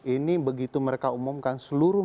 ini begitu mereka umumkan seluruh